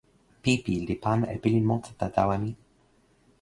pipi li pana e pilin monsuta tawa mi.